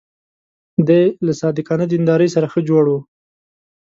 دی له صادقانه دیندارۍ سره ښه جوړ و.